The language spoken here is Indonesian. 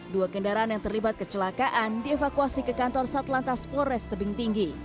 dua kendaraan yang terlibat kecelakaan dievakuasi ke kantor satlantas polres tebing tinggi